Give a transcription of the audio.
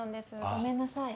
ごめんなさい。